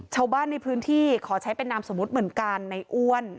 ชาวบ้านในพื้นที่ขอใช้เป็นนามสมมุติเหมือนกันในอ้วน